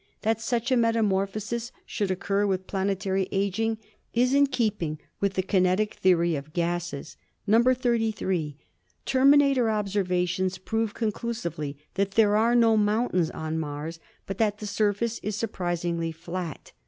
That such a metamorphosis should occur with planetary aging is in keeping with the kinetic theory of gases. "(33) Terminator observations prove conclusively that there are no mountains on Mars, but that the surface is surprisingly flat.